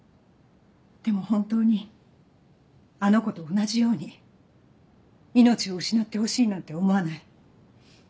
でも本当にあの子と同じように命を失ってほしいなんて思わない。